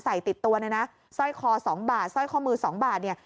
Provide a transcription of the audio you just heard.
ใส่ติดตัวในนะสร้อยคอสองบาทสร้อยคอมือสามบาทเนี้ย